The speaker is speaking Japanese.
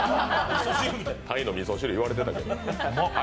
タイのみそ汁言われてたけど。